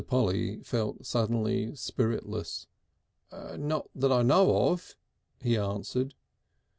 Polly felt suddenly spiritless. "Not that I know of," he answered.